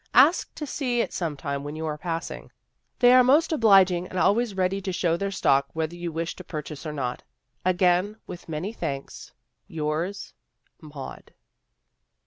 Ask to see it sometime when you are passing. They are most obliging and always ready to show their stock whether you wish to purchase or not. " Again, with many thanks "Yours, " MAUD."